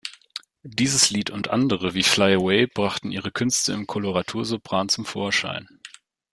Dieses Lied und andere wie "Fly Away" brachten ihre Künste im Koloratursopran zum Vorschein.